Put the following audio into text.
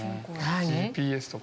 ＧＰＳとか？